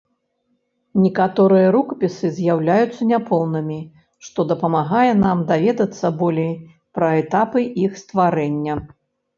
Некаторыя рукапісы з'яўляюцца няпоўнымі, што дапамагае нам даведацца болей пра этапы іх стварэння.